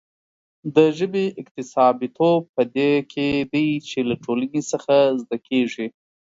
د ژبې اکتسابيتوب په دې کې دی چې له ټولنې څخه زده کېږي.